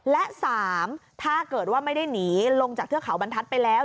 และ๓ถ้าเกิดว่าไม่ได้หนีลงจากเทือกเขาบรรทัศน์ไปแล้ว